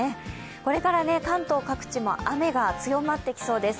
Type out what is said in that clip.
これから関東各地も雨が強まってきそうです。